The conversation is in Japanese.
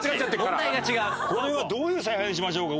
これはどういう采配にしましょうか？